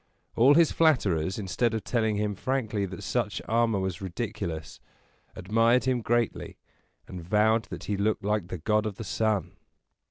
All his flatterers, instead of telling him frankly that such armor was ridiculous, admired him greatly, and vowed that he looked like the god of the sun.